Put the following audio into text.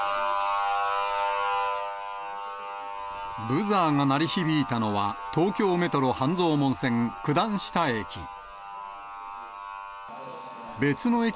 ブザーが鳴り響いたのは、東京メトロ半蔵門線九段下駅。